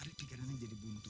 arif dikadangkan jadi buntu